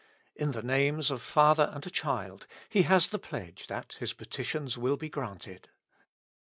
In the names of father and child he has the pledge that his petitions will be granted.